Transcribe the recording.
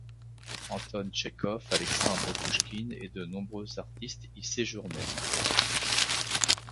Anton Tchekov, Alexandre Pouchkine et de nombreux artistes y séjournèrent.